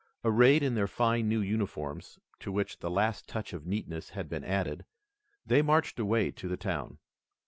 Arrayed in their fine new uniforms, to which the last touch of neatness had been added, they marched away to the town.